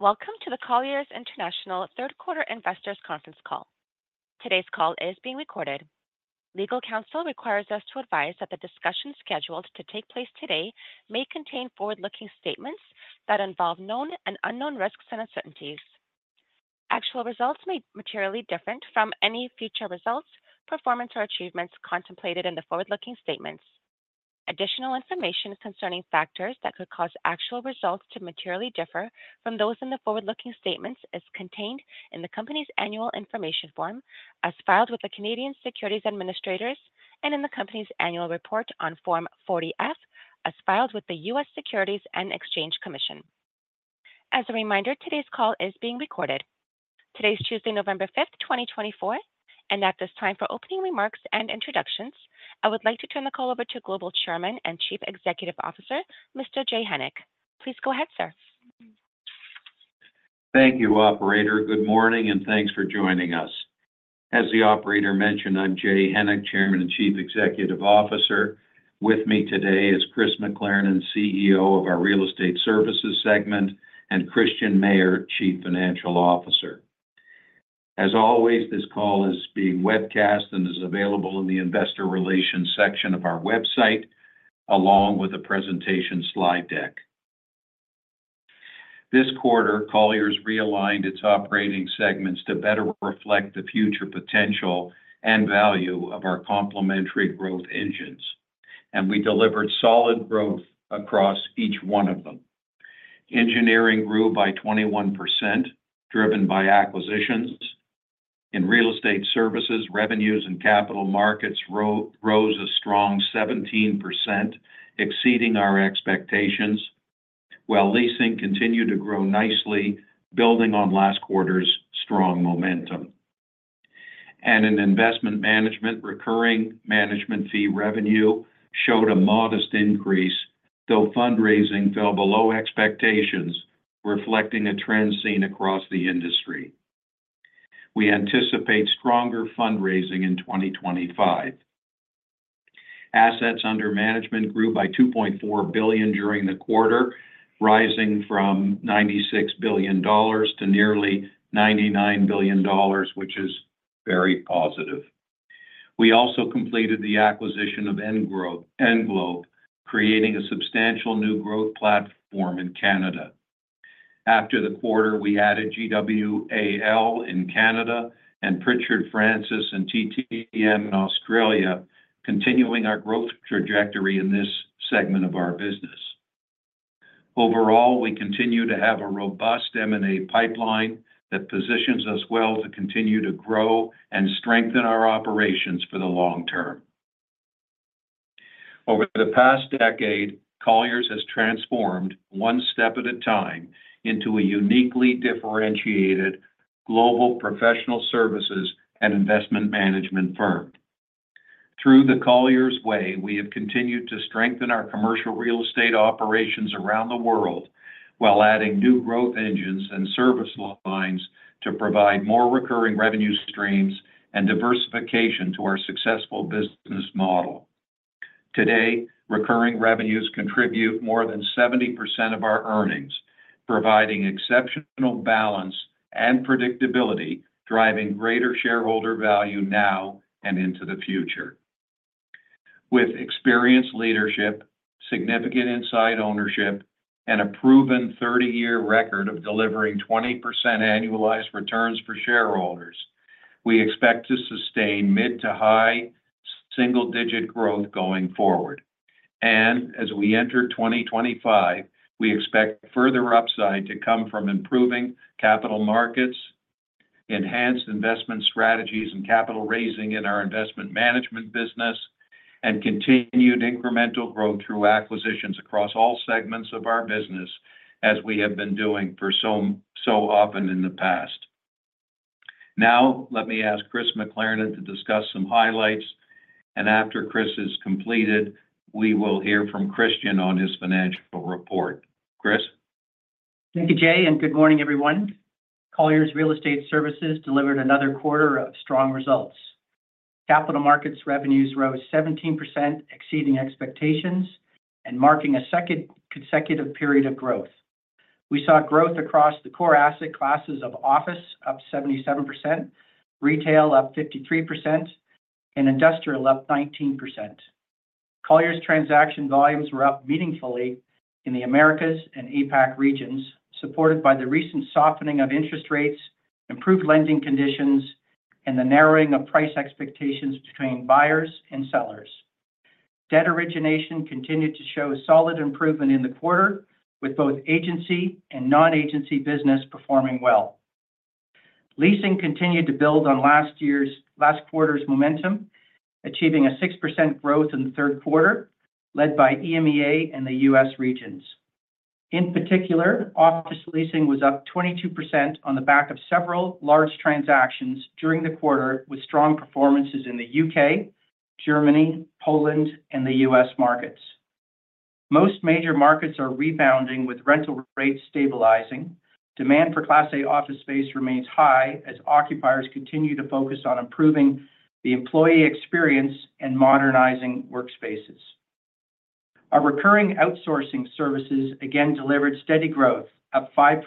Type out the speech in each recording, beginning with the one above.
Welcome to the Colliers International third-quarter investors' conference call. Today's call is being recorded. Legal counsel requires us to advise that the discussion scheduled to take place today may contain forward-looking statements that involve known and unknown risks and uncertainties. Actual results may materially differ from any future results, performance, or achievements contemplated in the forward-looking statements. Additional information concerning factors that could cause actual results to materially differ from those in the forward-looking statements is contained in the company's Annual Information Form, as filed with the Canadian Securities Administrators, and in the company's annual report on Form 40-F, as filed with the U.S. Securities and Exchange Commission. As a reminder, today's call is being recorded. Today is Tuesday, November 5th, 2024, and at this time, for opening remarks and introductions, I would like to turn the call over to Global Chairman and Chief Executive Officer, Mr. Jay Hennick. Please go ahead, sir. Thank you, Operator. Good morning, and thanks for joining us. As the Operator mentioned, I'm Jay Hennick, Chairman and Chief Executive Officer. With me today is Chris McLernon, CEO of our Real Estate Services segment, and Christian Mayer, Chief Financial Officer. As always, this call is being webcast and is available in the investor relations section of our website, along with the presentation slide deck. This quarter, Colliers realigned its operating segments to better reflect the future potential and value of our complementary growth engines, and we delivered solid growth across each one of them. Engineering grew by 21%, driven by acquisitions. In Real Estate Services, revenues in Capital Markets rose a strong 17%, exceeding our expectations, while Leasing continued to grow nicely, building on last quarter's strong momentum. In Investment management, recurring management fee revenue showed a modest increase, though fundraising fell below expectations, reflecting a trend seen across the industry. We anticipate stronger fundraising in 2025. Assets under management grew by $2.4 billion during the quarter, rising from $96 billion to nearly $99 billion, which is very positive. We also completed the acquisition of Englobe, creating a substantial new growth platform in Canada. After the quarter, we added GWAL in Canada and Pritchard Francis and TTM in Australia, continuing our growth trajectory in this segment of our business. Overall, we continue to have a robust M&A pipeline that positions us well to continue to grow and strengthen our operations for the long term. Over the past decade, Colliers has transformed, one step at a time, into a uniquely differentiated global professional services and investment management firm. Through the Colliers Way, we have continued to strengthen our commercial real estate operations around the world while adding new growth engines and service lines to provide more recurring revenue streams and diversification to our successful business model. Today, recurring revenues contribute more than 70% of our earnings, providing exceptional balance and predictability, driving greater shareholder value now and into the future. With experienced leadership, significant inside ownership, and a proven 30-year record of delivering 20% annualized returns for shareholders, we expect to sustain mid to high single-digit growth going forward, and as we enter 2025, we expect further upside to come from improving capital markets, Enhanced investment strategies, and capital raising in our investment management business, and continued incremental growth through acquisitions across all segments of our business, as we have been doing so often in the past. Now, let me ask Chris McLernon to discuss some highlights, and after Chris has completed, we will hear from Christian on his financial report. Chris? Thank you, Jay, and good morning, everyone. Colliers Real Estate Services delivered another quarter of strong results. Capital Markets revenues rose 17%, exceeding expectations and marking a second consecutive period of growth. We saw growth across the core asset classes of office, up 77%, retail up 53%, and industrial up 19%. Colliers' transaction volumes were up meaningfully in the Americas and APAC regions, supported by the recent softening of interest rates, improved lending conditions, and the narrowing of price expectations between buyers and sellers. Debt origination continued to show solid improvement in the quarter, with both agency and non-agency business performing well. Leasing continued to build on last quarter's momentum, achieving a 6% growth in the third quarter, led by EMEA and the U.S. regions. In particular, office leasing was up 22% on the back of several large transactions during the quarter, with strong performances in the U.K., Germany, Poland, and the U.S. markets. Most major markets are rebounding, with rental rates stabilizing. Demand for Class A office space remains high as occupiers continue to focus on improving the employee experience and modernizing workspaces. Our recurring outsourcing services again delivered steady growth, up 5%.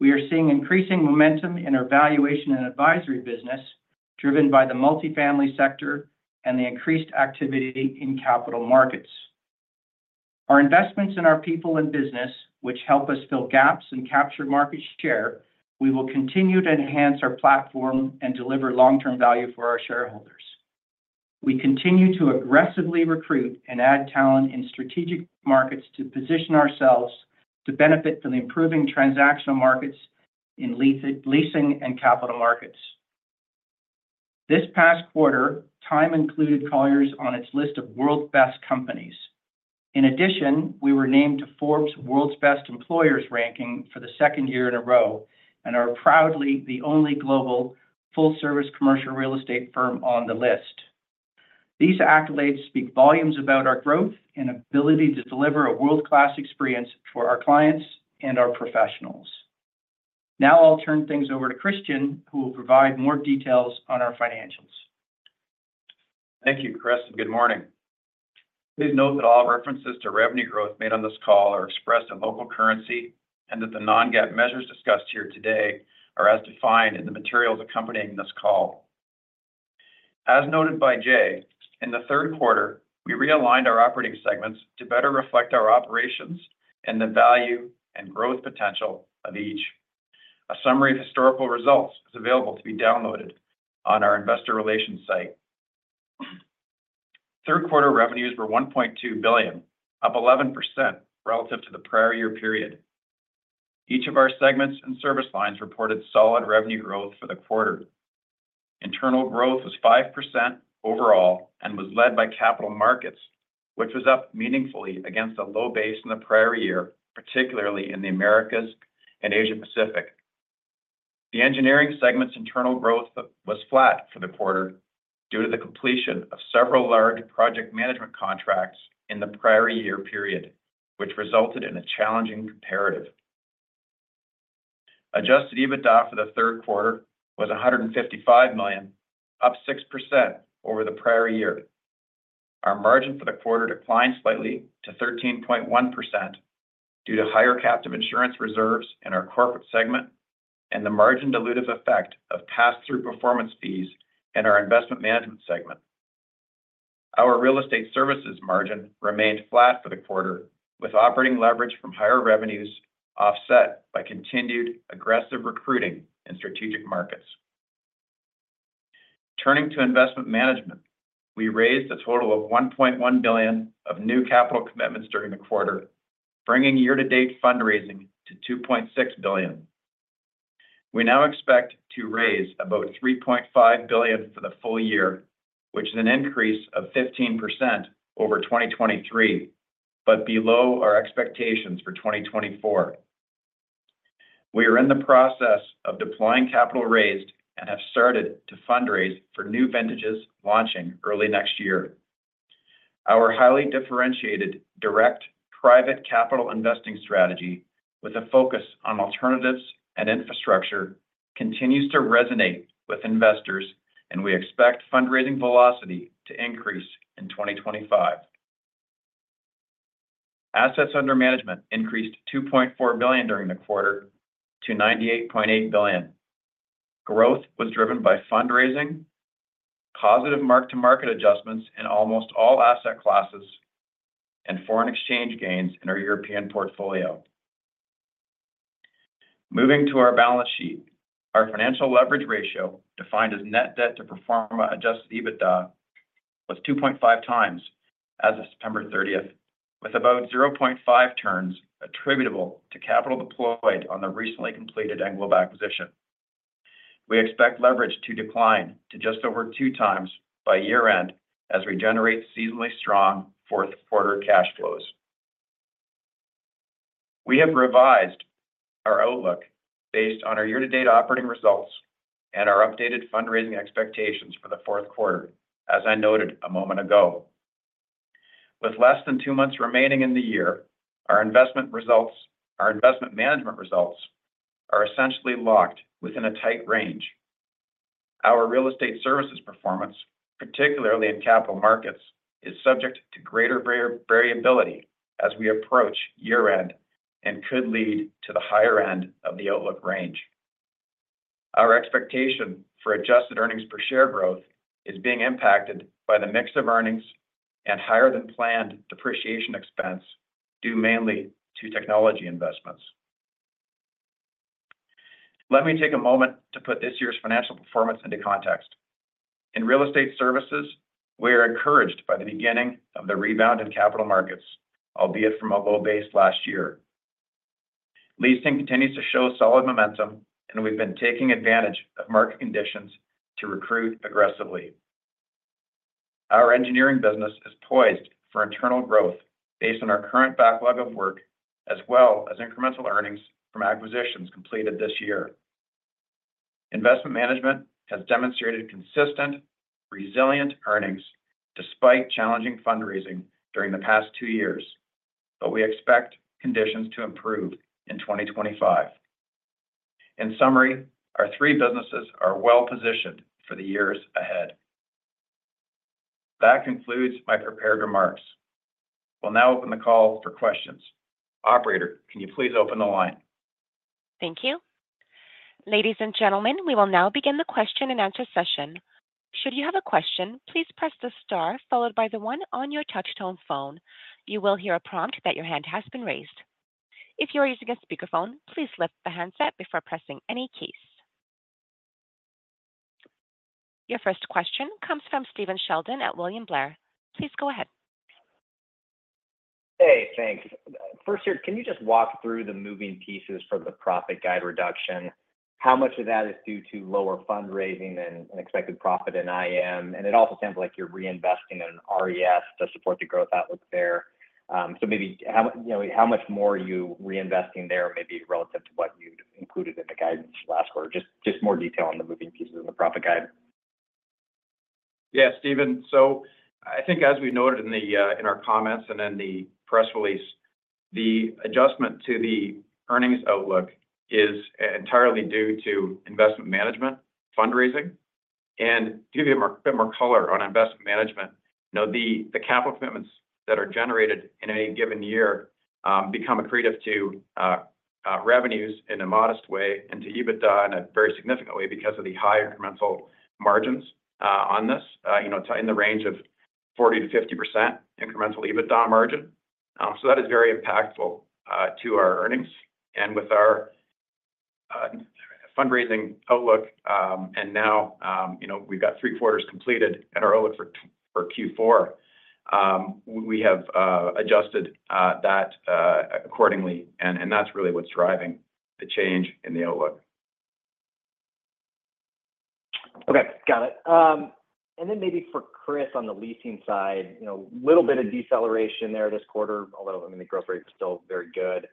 We are seeing increasing momentum in our valuation and advisory business, driven by the multifamily sector and the increased activity in capital markets. Our investments in our people and business, which help us fill gaps and capture market share. We will continue to enhance our platform and deliver long-term value for our shareholders. We continue to aggressively recruit and add talent in strategic markets to position ourselves to benefit from the improving transactional markets in leasing and capital markets. This past quarter, Time included Colliers on its list of world's best companies. In addition, we were named to Forbes' world's best employers ranking for the second year in a row and are proudly the only global full-service commercial real estate firm on the list. These accolades speak volumes about our growth and ability to deliver a world-class experience for our clients and our professionals. Now I'll turn things over to Christian, who will provide more details on our financials. Thank you, Chris, and good morning. Please note that all references to revenue growth made on this call are expressed in local currency and that the non-GAAP measures discussed here today are as defined in the materials accompanying this call. As noted by Jay, in the third quarter, we realigned our operating segments to better reflect our operations and the value and growth potential of each. A summary of historical results is available to be downloaded on our investor relations site. Third-quarter revenues were $1.2 billion, up 11% relative to the prior year period. Each of our segments and service lines reported solid revenue growth for the quarter. Internal growth was 5% overall and was led by capital markets, which was up meaningfully against a low base in the prior year, particularly in the Americas and Asia-Pacific. The engineering segment's internal growth was flat for the quarter due to the completion of several large project management contracts in the prior year period, which resulted in a challenging comparative. Adjusted EBITDA for the third quarter was $155 million, up 6% over the prior year. Our margin for the quarter declined slightly to 13.1% due to higher captive insurance reserves in our corporate segment and the margin-dilutive effect of pass-through performance fees in our investment management segment. Our real estate services margin remained flat for the quarter, with operating leverage from higher revenues offset by continued aggressive recruiting in strategic markets. Turning to investment management, we raised a total of $1.1 billion of new capital commitments during the quarter, bringing year-to-date fundraising to $2.6 billion. We now expect to raise about $3.5 billion for the full year, which is an increase of 15% over 2023, but below our expectations for 2024. We are in the process of deploying capital raised and have started to fundraise for new vintages launching early next year. Our highly differentiated direct private capital investing strategy, with a focus on alternatives and infrastructure, continues to resonate with investors, and we expect fundraising velocity to increase in 2025. Assets under management increased $2.4 billion during the quarter to $98.8 billion. Growth was driven by fundraising, positive mark-to-market adjustments in almost all asset classes, and foreign exchange gains in our European portfolio. Moving to our balance sheet, our financial leverage ratio, defined as net debt to performance-adjusted EBITDA, was 2.5 times as of September 30th, with about 0.5 turns attributable to capital deployed on the recently completed Englobe acquisition. We expect leverage to decline to just over two times by year-end as we generate seasonally strong fourth-quarter cash flows. We have revised our outlook based on our year-to-date operating results and our updated fundraising expectations for the fourth quarter, as I noted a moment ago. With less than two months remaining in the year, our investment management results are essentially locked within a tight range. Our real estate services performance, particularly in capital markets, is subject to greater variability as we approach year-end and could lead to the higher end of the outlook range. Our expectation for adjusted earnings per share growth is being impacted by the mix of earnings and higher-than-planned depreciation expense due mainly to technology investments. Let me take a moment to put this year's financial performance into context. In real estate services, we are encouraged by the beginning of the rebound in capital markets, albeit from a low base last year. Leasing continues to show solid momentum, and we've been taking advantage of market conditions to recruit aggressively. Our engineering business is poised for internal growth based on our current backlog of work, as well as incremental earnings from acquisitions completed this year. Investment management has demonstrated consistent, resilient earnings despite challenging fundraising during the past two years, but we expect conditions to improve in 2025. In summary, our three businesses are well-positioned for the years ahead. That concludes my prepared remarks. We'll now open the call for questions. Operator, can you please open the line? Thank you. Ladies and gentlemen, we will now begin the question-and-answer session. Should you have a question, please press the star followed by the one on your touch-tone phone. You will hear a prompt that your hand has been raised. If you are using a speakerphone, please lift the handset before pressing any keys. Your first question comes from Stephen Sheldon at William Blair. Please go ahead. Hey, thanks. First here, can you just walk through the moving pieces for the profit guide reduction? How much of that is due to lower fundraising and expected profit in IM? And it also sounds like you're reinvesting in an RES to support the growth outlook there. So maybe how much more are you reinvesting there, maybe relative to what you'd included in the guidance last quarter? Just more detail on the moving pieces in the profit guide. Yeah, Steven. So I think as we noted in our comments and in the press release, the adjustment to the earnings outlook is entirely due to investment management fundraising. And to give you a bit more color on investment management, the capital commitments that are generated in any given year become accretive to revenues in a modest way and to EBITDA in a very significant way because of the high incremental margins on this, in the range of 40%-50% incremental EBITDA margin. So that is very impactful to our earnings. And with our fundraising outlook, and now we've got three quarters completed and our outlook for Q4, we have adjusted that accordingly, and that's really what's driving the change in the outlook. Okay, got it. And then maybe for Chris on the leasing side, a little bit of deceleration there this quarter, although I mean the growth rate was still very good.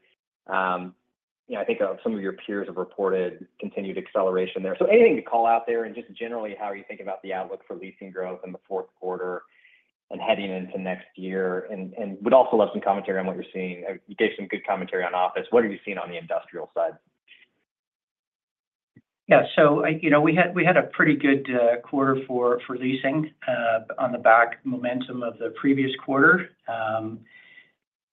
I think some of your peers have reported continued acceleration there. So anything to call out there and just generally how you think about the outlook for leasing growth in the fourth quarter and heading into next year? And would also love some commentary on what you're seeing. You gave some good commentary on office. What are you seeing on the industrial side? Yeah, so we had a pretty good quarter for leasing on the back of the momentum of the previous quarter.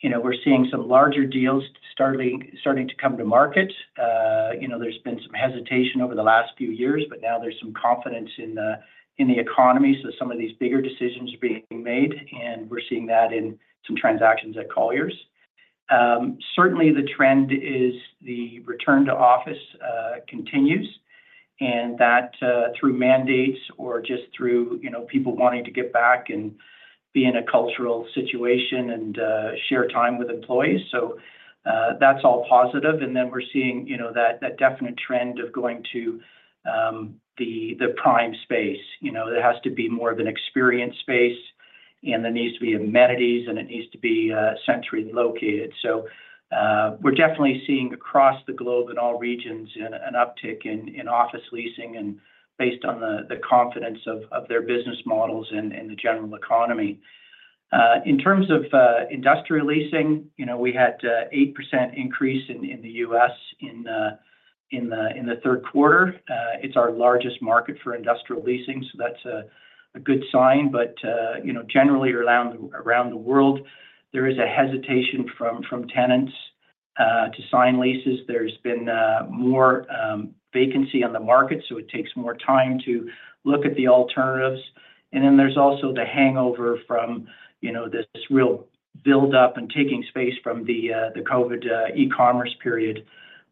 We're seeing some larger deals starting to come to market. There's been some hesitation over the last few years, but now there's some confidence in the economy, so some of these bigger decisions are being made, and we're seeing that in some transactions at Colliers. Certainly, the trend is the return to office continues, and that's through mandates or just through people wanting to get back and be in a cultural situation and share time with employees. So that's all positive, and then we're seeing that definite trend of going to the prime space. It has to be more of an experience space, and there needs to be amenities, and it needs to be centrally located. We're definitely seeing across the globe in all regions an uptick in office leasing based on the confidence of their business models and the general economy. In terms of industrial leasing, we had an 8% increase in the U.S. in the third quarter. It's our largest market for industrial leasing, so that's a good sign. Generally, around the world, there is a hesitation from tenants to sign leases. There's been more vacancy on the market, so it takes more time to look at the alternatives. Then there's also the hangover from this real build-up and taking space from the COVID e-commerce period.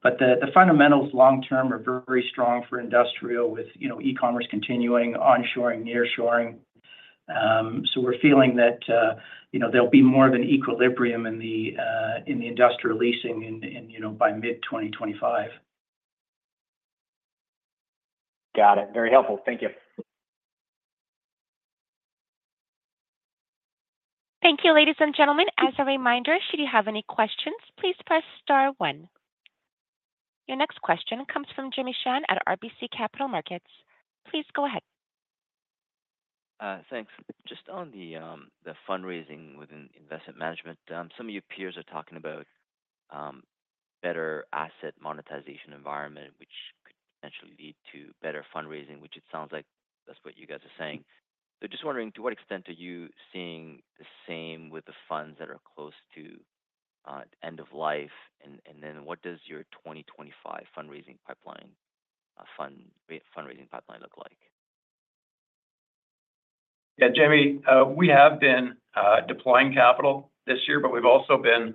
The fundamentals long-term are very strong for industrial, with e-commerce continuing, onshoring, nearshoring. We're feeling that there'll be more of an equilibrium in the industrial leasing by mid-2025. Got it. Very helpful. Thank you. Thank you, ladies and gentlemen. As a reminder, should you have any questions, please press star one. Your next question comes from Jimmy Shan at RBC Capital Markets. Please go ahead. Thanks. Just on the fundraising within investment management, some of your peers are talking about a better asset monetization environment, which could potentially lead to better fundraising, which it sounds like that's what you guys are saying. So just wondering, to what extent are you seeing the same with the funds that are close to end of life? And then what does your 2025 fundraising pipeline look like? Yeah, Jimmy, we have been deploying capital this year, but we've also been,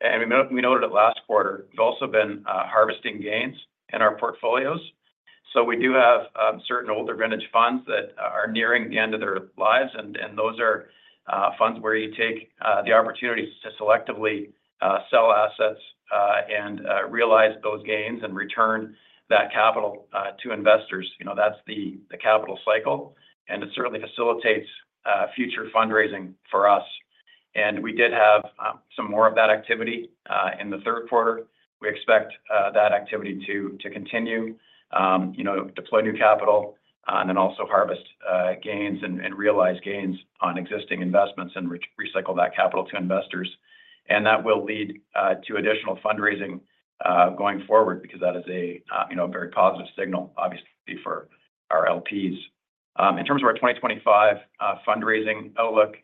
and we noted it last quarter, we've also been harvesting gains in our portfolios. So we do have certain older vintage funds that are nearing the end of their lives, and those are funds where you take the opportunities to selectively sell assets and realize those gains and return that capital to investors. That's the capital cycle, and it certainly facilitates future fundraising for us. And we did have some more of that activity in the third quarter. We expect that activity to continue, deploy new capital, and then also harvest gains and realize gains on existing investments and recycle that capital to investors. And that will lead to additional fundraising going forward because that is a very positive signal, obviously, for our LPs. In terms of our 2025 fundraising outlook,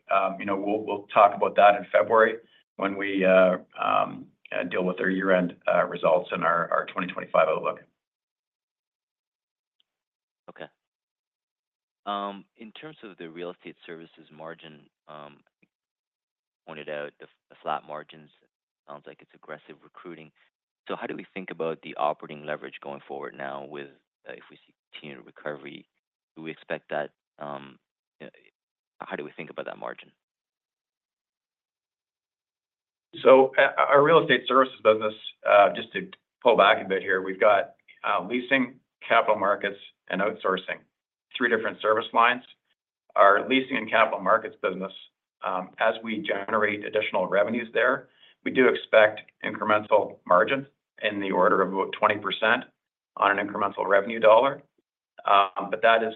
we'll talk about that in February when we deal with their year-end results and our 2025 outlook. Okay. In terms of the Real Estate Services margin, pointed out the flat margins, sounds like it's aggressive recruiting. So how do we think about the operating leverage going forward now with, if we see continued recovery, do we expect that? How do we think about that margin? So our real estate services business, just to pull back a bit here, we've got leasing, capital markets, and outsourcing, three different service lines. Our leasing and capital markets business, as we generate additional revenues there, we do expect incremental margins in the order of about 20% on an incremental revenue dollar. But that is,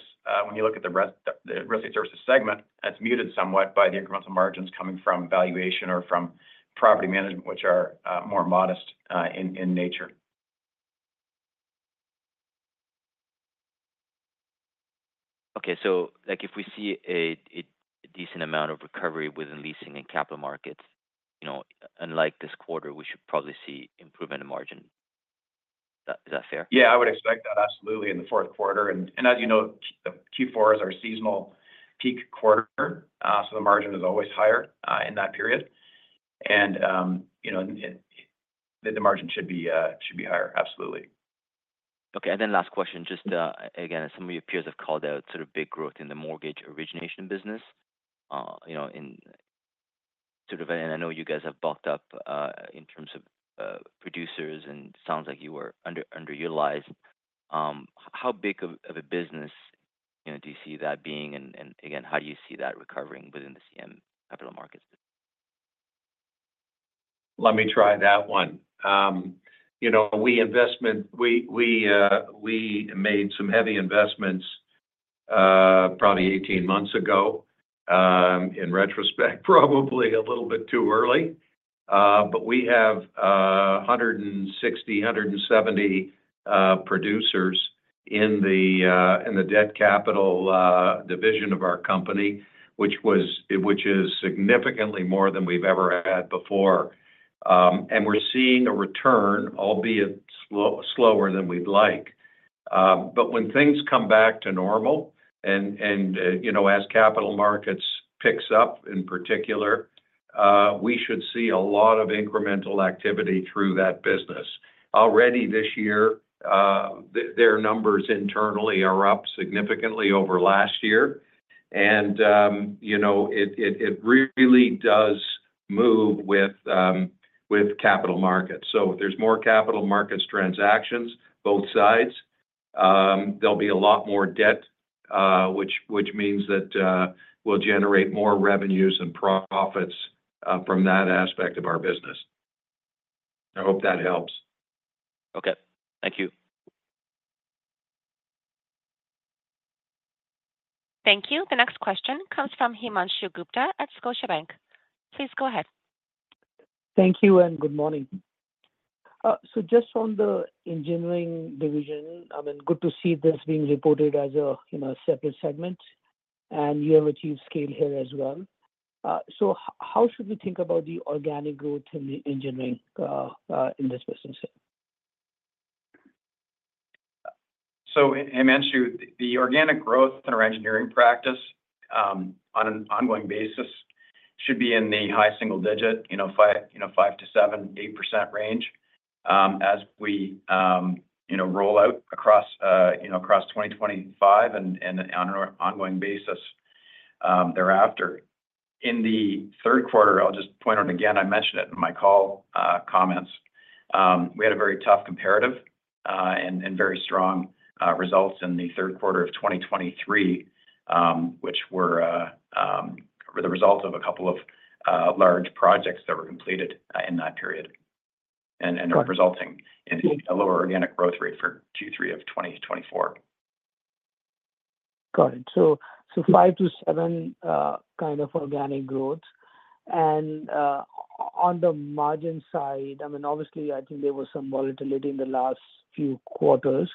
when you look at the real estate services segment, it's muted somewhat by the incremental margins coming from valuation or from property management, which are more modest in nature. Okay, so if we see a decent amount of recovery within leasing and capital markets, unlike this quarter, we should probably see improvement in margin. Is that fair? Yeah, I would expect that, absolutely, in the fourth quarter. And as you know, Q4 is our seasonal peak quarter, so the margin is always higher in that period. And the margin should be higher, absolutely. Okay, and then last question, just again, some of your peers have called out sort of big growth in the mortgage origination business. And I know you guys have bucked up in terms of producers, and it sounds like you were underutilized. How big of a business do you see that being? And again, how do you see that recovering within the CM capital markets? Let me try that one. We made some heavy investments probably 18 months ago. In retrospect, probably a little bit too early. But we have 160-170 producers in the debt capital division of our company, which is significantly more than we've ever had before. And we're seeing a return, albeit slower than we'd like. But when things come back to normal and as capital markets picks up in particular, we should see a lot of incremental activity through that business. Already this year, their numbers internally are up significantly over last year. And it really does move with capital markets. So if there's more capital markets transactions, both sides, there'll be a lot more debt, which means that we'll generate more revenues and profits from that aspect of our business. I hope that helps. Okay, thank you. Thank you. The next question comes from Himanshu Gupta at Scotiabank. Please go ahead. Thank you and good morning. So just on the Engineering division, I mean, good to see this being reported as a separate segment. And you have achieved scale here as well. So how should we think about the organic growth in the Engineering in this business? So, Himanshi, the organic growth in our engineering practice on an ongoing basis should be in the high single-digit 5%-8% range as we roll out across 2025 and on an ongoing basis thereafter. In the third quarter, I'll just point out again. I mentioned it in my call comments. We had a very tough comparative and very strong results in the third quarter of 2023, which were the result of a couple of large projects that were completed in that period and are resulting in a lower organic growth rate for Q3 of 2024. Got it. So 5%-7% kind of organic growth. And on the margin side, I mean, obviously, I think there was some volatility in the last few quarters.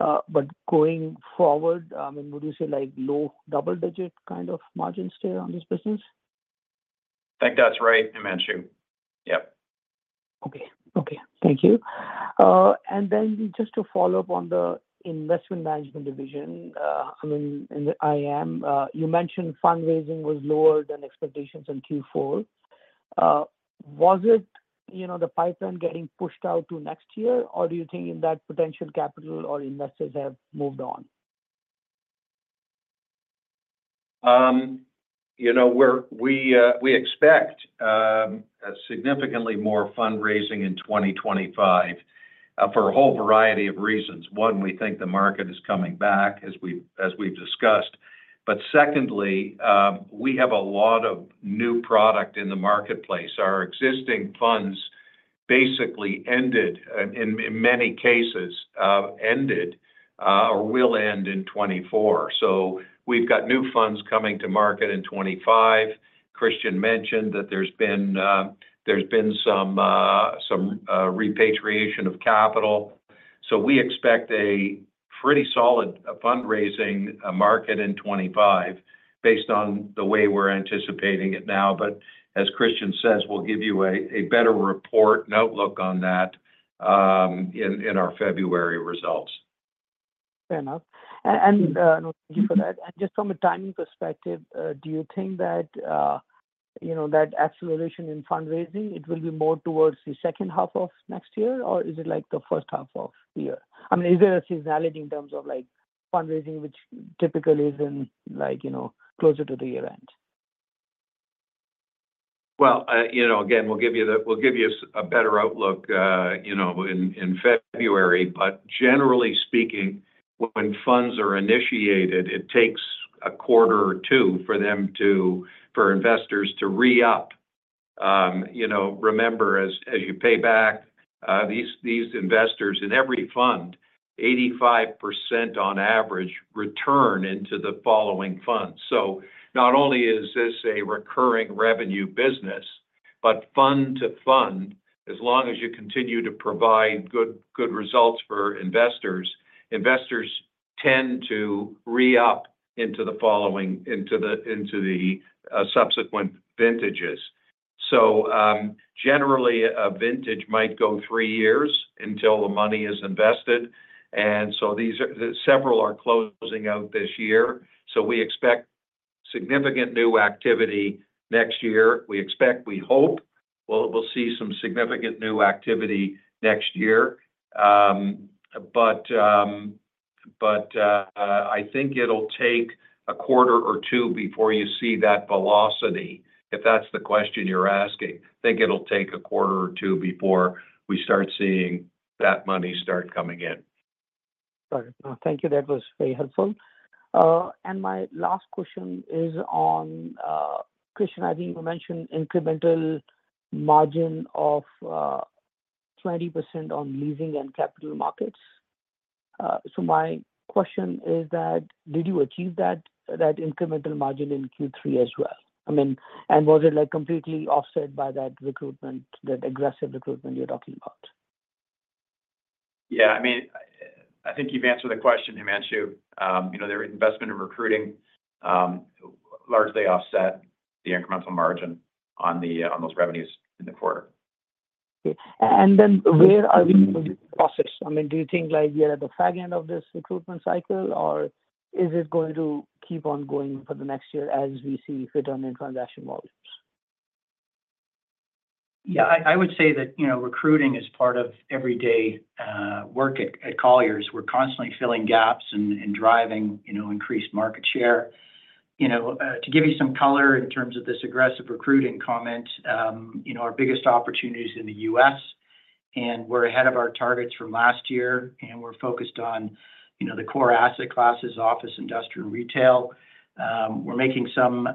But going forward, I mean, would you say low double-digit kind of margins there on this business? I think that's right, Himanshi. Yep. Okay. Thank you. And then just to follow up on the investment management division, I mean, in the IM, you mentioned fundraising was lower than expectations in Q4. Was it the pipeline getting pushed out to next year, or do you think that potential capital or investors have moved on? We expect significantly more fundraising in 2025 for a whole variety of reasons. One, we think the market is coming back, as we've discussed. But secondly, we have a lot of new product in the marketplace. Our existing funds basically ended, in many cases, ended or will end in 2024. So we've got new funds coming to market in 2025. Christian mentioned that there's been some repatriation of capital. So we expect a pretty solid fundraising market in 2025 based on the way we're anticipating it now. But as Christian says, we'll give you a better report and outlook on that in our February results. Fair enough, and thank you for that, and just from a timing perspective, do you think that that acceleration in fundraising, it will be more towards the second half of next year, or is it the first half of the year? I mean, is there a seasonality in terms of fundraising, which typically is closer to the year-end? Well, again, we'll give you a better outlook in February. But generally speaking, when funds are initiated, it takes a quarter or two for investors to re-up. Remember, as you pay back these investors in every fund, 85% on average return into the following fund. So not only is this a recurring revenue business, but fund to fund, as long as you continue to provide good results for investors, investors tend to re-up into the following, into the subsequent vintages. So generally, a vintage might go three years until the money is invested. And so several are closing out this year. So we expect significant new activity next year. We expect, we hope we'll see some significant new activity next year. But I think it'll take a quarter or two before you see that velocity, if that's the question you're asking. I think it'll take a quarter or two before we start seeing that money start coming in. Got it. Thank you. That was very helpful. And my last question is on Christian. I think you mentioned incremental margin of 20% on leasing and capital markets. So my question is that. Did you achieve that incremental margin in Q3 as well? I mean, and was it completely offset by that recruitment, that aggressive recruitment you're talking about? Yeah. I mean, I think you've answered the question, Himanshi. The investment and recruiting largely offset the incremental margin on those revenues in the quarter. And then, where are we in this process? I mean, do you think we are at the tail end of this recruitment cycle, or is it going to keep on going for the next year as we see return in transaction volumes? Yeah, I would say that recruiting is part of everyday work at Colliers. We're constantly filling gaps and driving increased market share. To give you some color in terms of this aggressive recruiting comment, our biggest opportunity is in the U.S., and we're ahead of our targets from last year, and we're focused on the core asset classes, office, industrial, retail. We're making some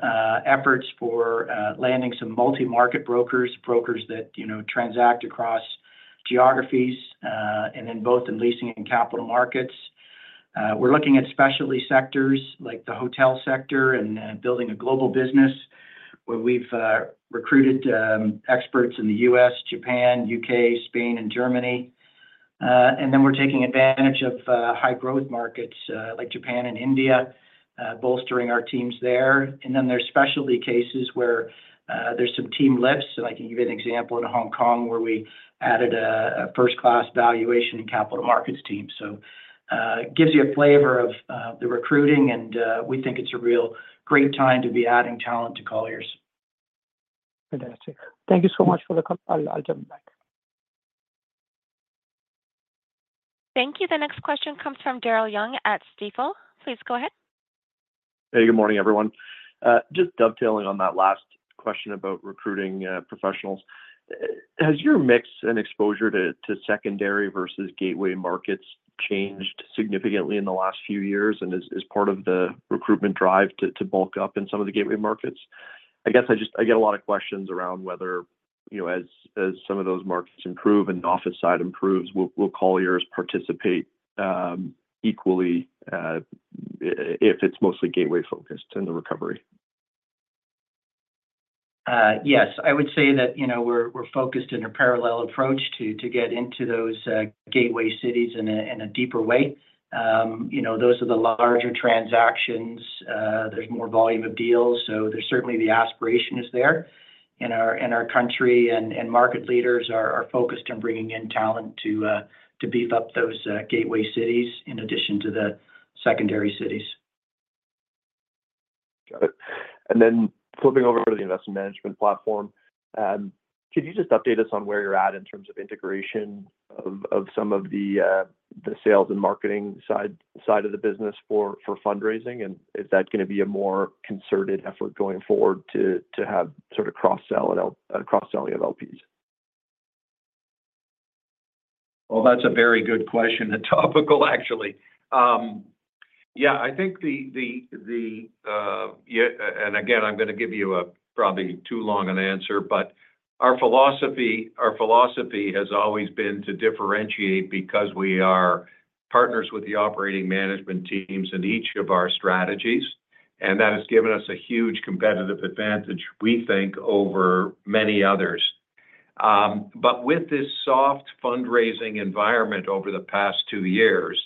efforts for landing some multi-market brokers, brokers that transact across geographies, and then both in leasing and capital markets. We're looking at specialty sectors like the hotel sector and building a global business where we've recruited experts in the U.S., Japan, U.K., Spain, and Germany, and then we're taking advantage of high-growth markets like Japan and India, bolstering our teams there, and then there's specialty cases where there's some team lifts. I can give you an example in Hong Kong where we added a first-class valuation and capital markets team. It gives you a flavor of the recruiting, and we think it's a real great time to be adding talent to Colliers. Fantastic. Thank you so much for the call. I'll jump back. Thank you. The next question comes from Daryl Young at Stifel. Please go ahead. Hey, good morning, everyone. Just dovetailing on that last question about recruiting professionals. Has your mix and exposure to secondary versus gateway markets changed significantly in the last few years and is part of the recruitment drive to bulk up in some of the gateway markets? I guess I get a lot of questions around whether, as some of those markets improve and the office side improves, will Colliers participate equally if it's mostly gateway-focused in the recovery? Yes. I would say that we're focused in a parallel approach to get into those gateway cities in a deeper way. Those are the larger transactions. There's more volume of deals. So certainly, the aspiration is there. And our country and market leaders are focused on bringing in talent to beef up those gateway cities in addition to the secondary cities. Got it. And then flipping over to the investment management platform, could you just update us on where you're at in terms of integration of some of the sales and marketing side of the business for fundraising? And is that going to be a more concerted effort going forward to have sort of cross-selling of LPs? That's a very good question and topical, actually. Yeah, I think—and again, I'm going to give you a probably too long an answer, but our philosophy has always been to differentiate because we are partners with the operating management teams in each of our strategies. And that has given us a huge competitive advantage, we think, over many others. But with this soft fundraising environment over the past two years,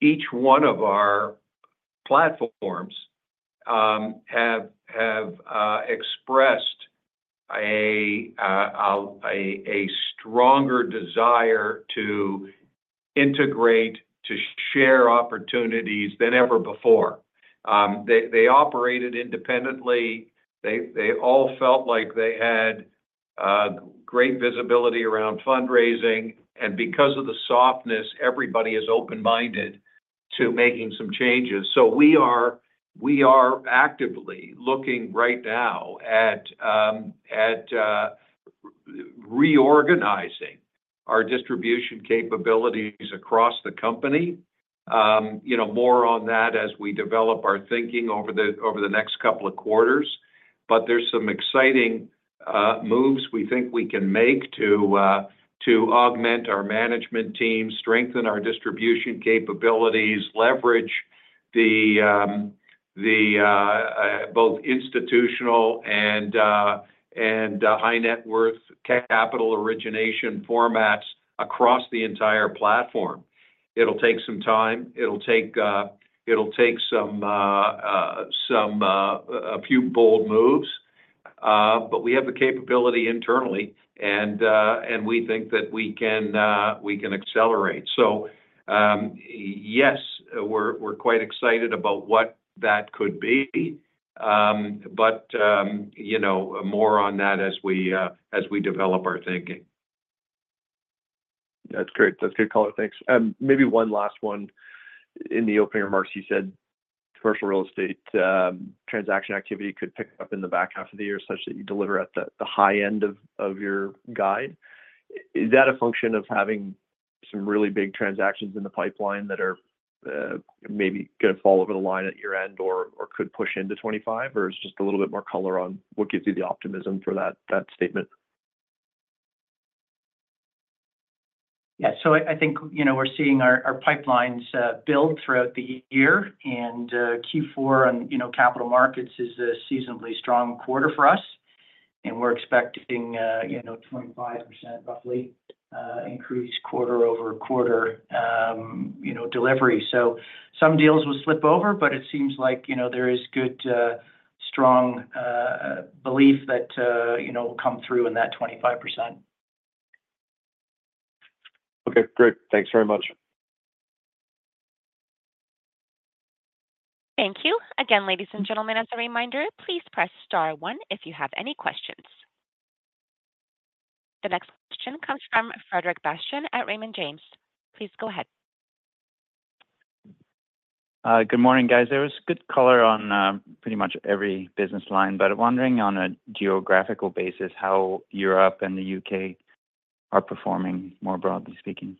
each one of our platforms have expressed a stronger desire to integrate, to share opportunities than ever before. They operated independently. They all felt like they had great visibility around fundraising. And because of the softness, everybody is open-minded to making some changes. So we are actively looking right now at reorganizing our distribution capabilities across the company, more on that as we develop our thinking over the next couple of quarters. But there's some exciting moves we think we can make to augment our management team, strengthen our distribution capabilities, leverage the both institutional and high-net-worth capital origination formats across the entire platform. It'll take some time. It'll take some few bold moves. But we have the capability internally, and we think that we can accelerate. So yes, we're quite excited about what that could be. But more on that as we develop our thinking. That's great. That's great, Colliers. Thanks. And maybe one last one. In the opening remarks, you said commercial real estate transaction activity could pick up in the back half of the year such that you deliver at the high end of your guide. Is that a function of having some really big transactions in the pipeline that are maybe going to fall over the line at year-end or could push into 2025, or it's just a little bit more color on what gives you the optimism for that statement? Yeah. So I think we're seeing our pipelines build throughout the year. And Q4 on Capital Markets is a seasonally strong quarter for us. And we're expecting a 25% roughly increase quarter over quarter delivery. So some deals will slip over, but it seems like there is good, strong belief that will come through in that 25%. Okay. Great. Thanks very much. Thank you. Again, ladies and gentlemen, as a reminder, please press star one if you have any questions. The next question comes from Frederic Bastien at Raymond James. Please go ahead. Good morning, guys. There was good color on pretty much every business line, but wondering on a geographical basis how Europe and the U.K. are performing, more broadly speaking?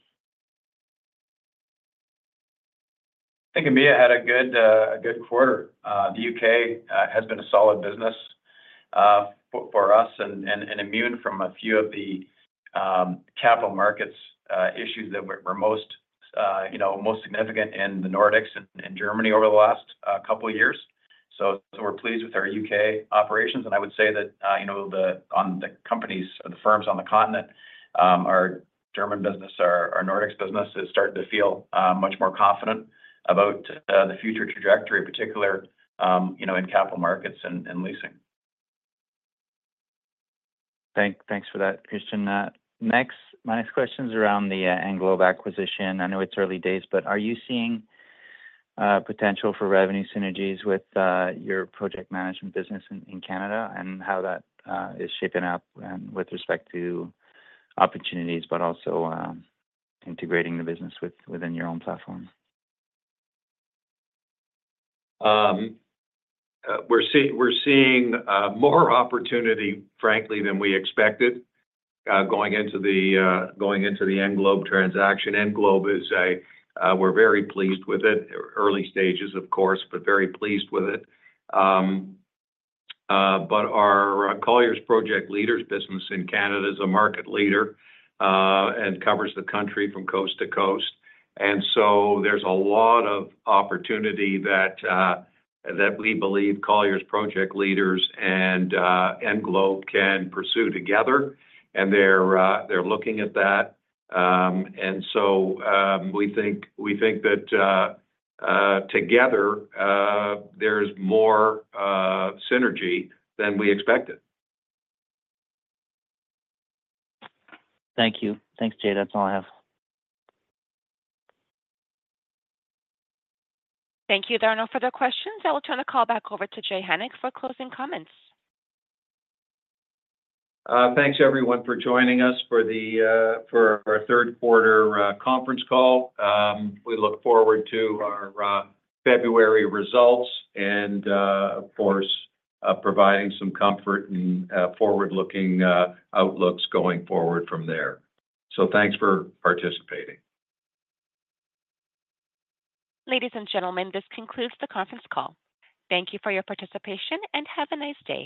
I think India had a good quarter. The U.K. has been a solid business for us and immune from a few of the capital markets issues that were most significant in the Nordics and Germany over the last couple of years. So we're pleased with our U.K. operations, and I would say that on the companies or the firms on the continent, our German business, our Nordics business is starting to feel much more confident about the future trajectory, particularly in capital markets and leasing. Thanks for that, Christian. My next question is around the Englobe acquisition. I know it's early days, but are you seeing potential for revenue synergies with your project management business in Canada and how that is shaping up with respect to opportunities, but also integrating the business within your own platform? We're seeing more opportunity, frankly, than we expected going into the Englobe transaction. Englobe is a, we're very pleased with it. Early stages, of course, but very pleased with it. But our Colliers Project Leaders business in Canada is a market leader and covers the country from coast to coast. And so there's a lot of opportunity that we believe Colliers Project Leaders and Englobe can pursue together. And they're looking at that. And so we think that together, there's more synergy than we expected. Thank you. Thanks, Jay. That's all I have. Thank you, Darnell, for the questions. I will turn the call back over to Jay Hennick for closing comments. Thanks, everyone, for joining us for our third-quarter conference call. We look forward to our February results and, of course, providing some comfort and forward-looking outlooks going forward from there. So thanks for participating. Ladies and gentlemen, this concludes the conference call. Thank you for your participation and have a nice day.